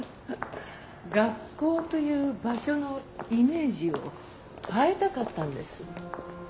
学校という場所のイメージを変えたかったんです。